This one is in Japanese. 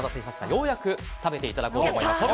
ようやく食べていただこうと思います。